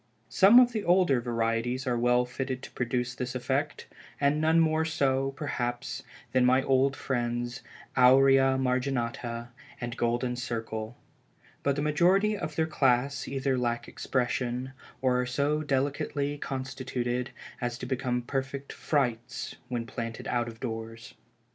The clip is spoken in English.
Some of the older varieties are well fitted to produce this effect, and none more so, perhaps, than my old friends Aurea Marginata, and Golden Circle; but the majority of their class either lack expression, or are so delicately constituted as to become perfect "frights" when planted out of doors. [Illustration: DREER'S NEW HYBRID COLEUSES.